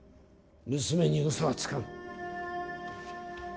娘に嘘はつかん。